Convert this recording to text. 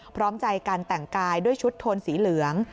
พร้อมใจการแต่งกายด้วยชุดโทนสีเหลือง